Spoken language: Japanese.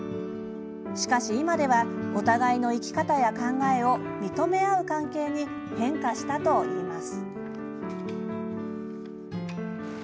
しかし今では、お互いの生き方や考えを認め合う関係に変化したといいます。